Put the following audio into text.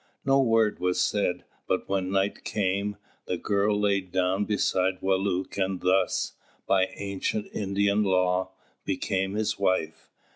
No word was said; but when night came, the girl lay down beside Wālūt and thus, by ancient Indian law, became his wife.